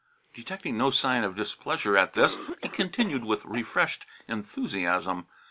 Detecting no sign of displeasure at this, he continued with refreshed enthusiasm.